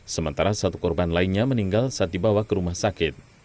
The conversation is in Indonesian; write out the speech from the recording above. sementara satu korban lainnya meninggal saat dibawa ke rumah sakit